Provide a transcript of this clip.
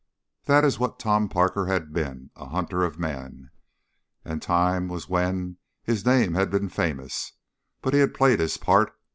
That is what Tom Parker had been a hunter of men and time was when his name had been famous. But he had played his part.